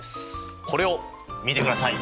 これを見てください！